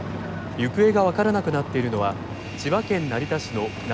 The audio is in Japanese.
行方が分からなくなっているのは千葉県成田市の７歳の女の子で。